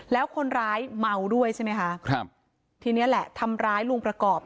แล้วคนร้ายเมาด้วยใช่ไหมคะครับทีนี้แหละทำร้ายลุงประกอบ